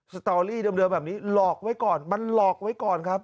สตอรี่เดิมแบบนี้หลอกไว้ก่อนมันหลอกไว้ก่อนครับ